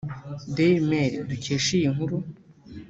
Dailymail dukesha iyi nkuru